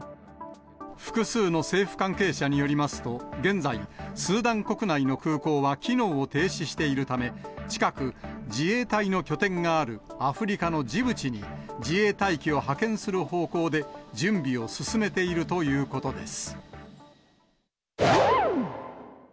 複数の政府関係者によりますと、現在、スーダン国内の空港は機能を停止しているため、近く、自衛隊の拠点があるアフリカのジブチに、自衛隊機を派遣する方向で準備を進めているということです。